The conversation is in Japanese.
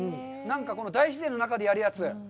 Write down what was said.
大自然の中でやるやつ。